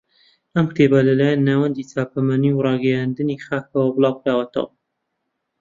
ئەم کتێبە لەلایەن ناوەندی چاپەمەنی و ڕاگەیاندنی خاکەوە بڵاو کراوەتەوە